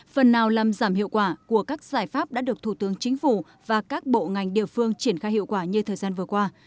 phần nào làm giảm hiệu quả của các giải pháp đã được thủ tướng chính phủ và các bộ ngành địa phương triển khai hiệu quả như thời gian vừa qua